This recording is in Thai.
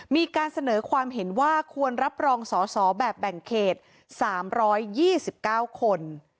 มีการเสนอความเห็นว่าควรรับรองสอสอแบบแบ่งเขต๓๒๙คน